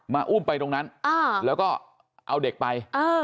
อุ้มไปตรงนั้นแล้วก็เอาเด็กไป